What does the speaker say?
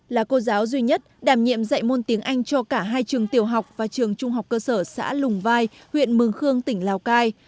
là cô giáo duy nhất đảm nhiệm dạy môn tiếng anh cho cả hai trường tiểu học và trường trung học cơ sở xã lùng vai huyện mường khương tỉnh lào cai